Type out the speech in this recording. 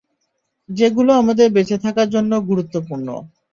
যেগুলো আমাদের বেঁচে থাকার জন্য গুরুত্বপূর্ণ।